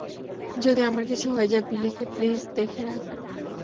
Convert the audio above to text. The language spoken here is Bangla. যদি আমার কিছু হয়ে যায়, বিলিকে প্লিজ দেখে রাখবেন।